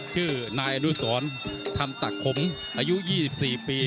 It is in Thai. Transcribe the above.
ชื่อนายอนุสรธรรมตะขมอายุ๒๔ปี